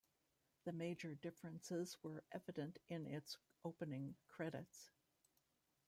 The major differences were evident in its opening credits.